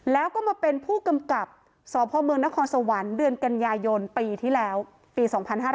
แล้วก็มาเป็นผู้กำกับสพเมืองนครสวรรค์เดือนกันยายนปีที่แล้วปี๒๕๕๙